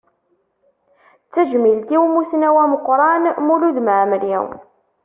D tajmilt i umussnaw ameqqran Mulud Mɛemmri.